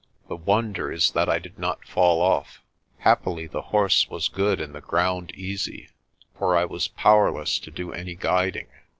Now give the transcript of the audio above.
The wonder is that I did not fall off. Happily the horse was good and the ground easy, for I was powerless to do any guiding.